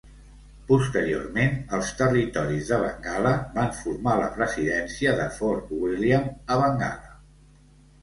Posteriorment els territoris de Bengala van formar la presidència de Fort William a Bengala.